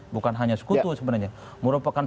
bukan hanya sekutu sebenarnya merupakan